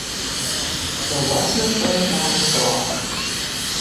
There was no quarterfinal draw.